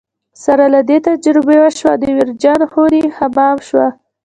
سره له دې تجزیه شوه او د ویرجن خوني حمام شوه.